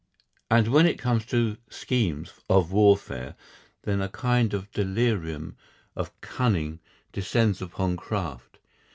And when it comes to schemes of warfare then a kind of delirium of cunning descends upon Kraft.